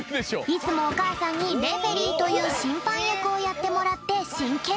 いつもおかあさんにレフェリーというしんぱんやくをやってもらってしんけんしょうぶ！